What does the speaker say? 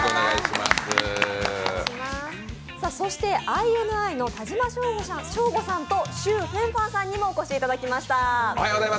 そしてＩＮＩの田島将吾さんと許豊凡さんにもお越しいただきました。